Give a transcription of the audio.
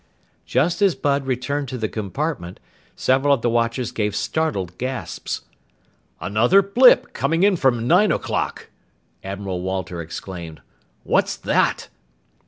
Just as Bud returned to the compartment, several of the watchers gave startled gasps. "Another blip coming in from nine o'clock!" Admiral Walter exclaimed. "What's that?"